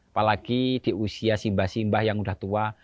apalagi di usia simbah simbah yang udah tua